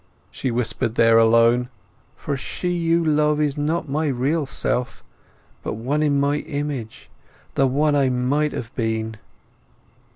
she whispered there alone; "for she you love is not my real self, but one in my image; the one I might have been!"